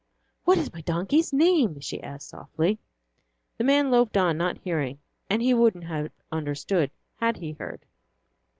"What is my donkey's name?" she asked softly. The man loped on, not hearing, and he wouldn't have understood had he heard.